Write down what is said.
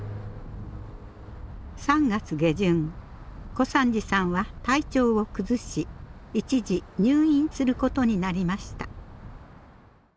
小三治さんは体調を崩し一時入院することになりました。